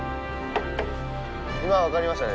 今分かりましたね。